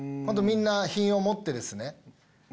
みんな品を持ってですね。